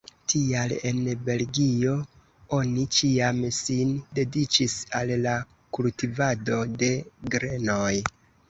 Tial en Belgio oni ĉiam sin dediĉis al la kultivado de grenoj.